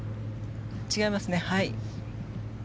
違いますね。